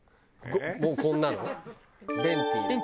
もうこんなの？